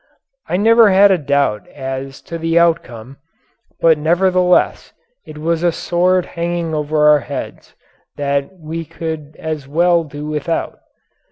I never had a doubt as to the outcome, but nevertheless it was a sword hanging over our heads that we could as well do without.